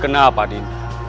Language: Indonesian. kena apa dinda